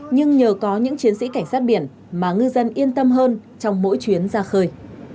nhưng nhờ có những chiến sĩ cảnh sát biển mà ngư dân yên tâm hơn trong mỗi chuyến ra khơi